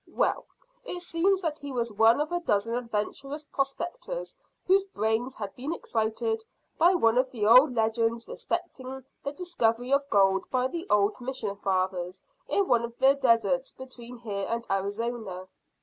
"Well, it seems that he was one of a dozen adventurous prospectors whose brains had been excited by one of the old legends respecting the discovery of gold by the old mission fathers in one of the deserts between here and Arizona.